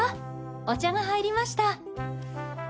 お茶が入りました。